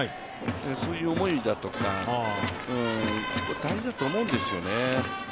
そういう思いだとか、大事だと思うんですよね。